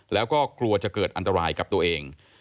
แล้วก็กลัวจะเกิดอันตรายกับตัวเอง